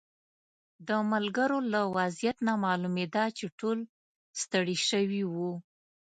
د ملګرو له وضعیت نه معلومېده چې ټول ستړي شوي وو.